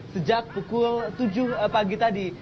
sejak pukul tujuh pagi tadi